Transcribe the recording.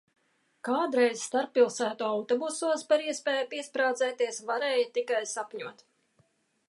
Kādreiz starppilsētu autobusos par iespēju piesprādzēties varēja tikai sapņot.